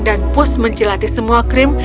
dan pus menjelati semua krim